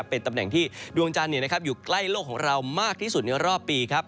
เป็นตำแหน่งที่ดวงจันทร์อยู่ใกล้โลกของเรามากที่สุดในรอบปีครับ